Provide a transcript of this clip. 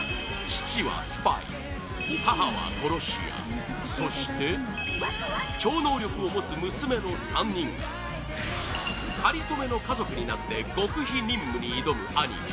父はスパイ、母は殺し屋そして超能力を持つ娘の３人がかりそめの家族になって極秘任務に挑むアニメ